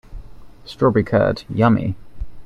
Strawberry curd, yummy!